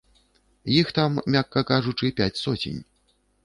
Іх там, мякка кажучы, пяць соцень.